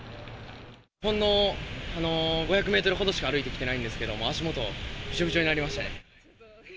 ほんの５００メートルほどしか歩いてきてないんですけれども、足元、びちょびちょになりまして。